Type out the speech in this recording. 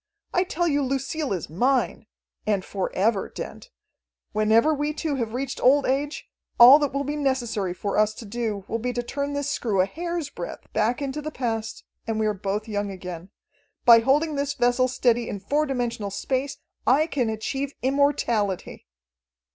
I tell you Lucille is mine. And for ever, Dent. Whenever we two have reached old age, all that will be necessary for us to do will be to turn this screw a hair's breadth back into the past, and we are both young again. By holding this vessel steady in four dimensional space, I can achieve immortality."